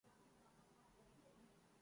دیا تھا جس نے پہاڑوں کو رعشۂ سیماب